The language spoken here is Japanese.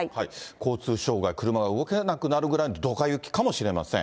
交通障害、車が動けなくなるぐらいのどか雪かもしれません。